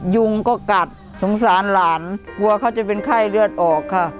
ยุงก็กัดสงสารหลานกลัวเขาจะเป็นไข้เลือดออกค่ะ